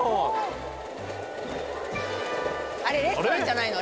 あれレストランじゃないの？